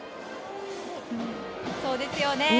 そうですよね。